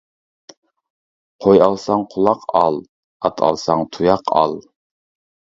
قوي ئالساڭ قۇلاق ئال، ئات ئالساڭ تۇياق ئال.